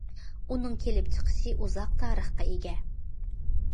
ئۇنىڭ كېلىپ چىقىشى ئۇزاق تارىخقا ئىگە.